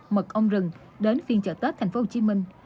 mực ong rừng đến phiên chợ tết tp hcm